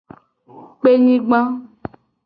Kpenyigba.